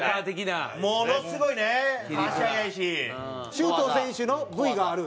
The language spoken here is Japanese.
周東選手のＶがある？